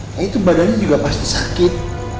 nah itu badannya juga pasti sakit